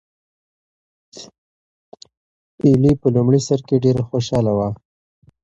ایلي په لومړي سر کې ډېره خوشحاله وه.